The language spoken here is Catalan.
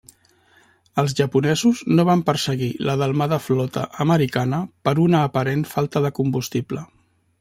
Els japonesos no van perseguir la delmada flota americana per una aparent falta de combustible.